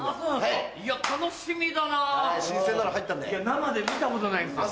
生で見たことないんですよ。